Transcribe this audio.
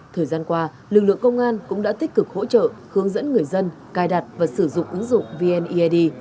thời gian qua lực lượng công an cũng đã tích cực hỗ trợ hướng dẫn người dân cài đặt và sử dụng ứng dụng vneid